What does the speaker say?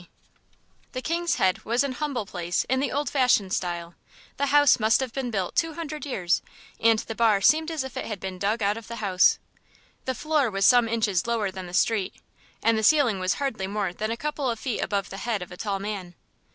XXX The "King's Head" was an humble place in the old fashioned style. The house must have been built two hundred years, and the bar seemed as if it had been dug out of the house. The floor was some inches lower than the street, and the ceiling was hardly more than a couple of feet above the head of a tall man.